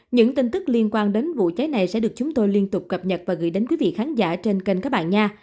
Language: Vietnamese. những tin tức liên quan đến vụ cháy này sẽ được chúng tôi liên tục cập nhật và gửi đến quý vị khán giả trên kênh các bạn nha